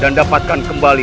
dan dapatkan kembali